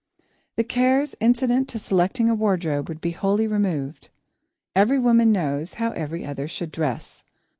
The cares incident to selecting a wardrobe would be wholly removed. Every woman knows how every other should dress.